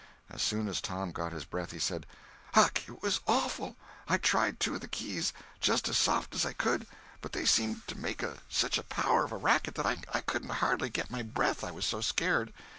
As soon as Tom got his breath he said: "Huck, it was awful! I tried two of the keys, just as soft as I could; but they seemed to make such a power of racket that I couldn't hardly get my breath I was so scared.